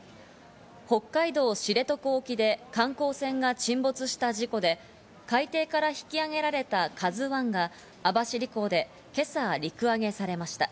北海道知床沖で観光船が沈没した事故で、海底から引き揚げられた「ＫＡＺＵ１」が網走港で今朝、陸揚げされました。